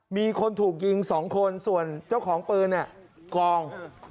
มีคนถูกยิง๒คนส่วนเจ้าของปืนกอง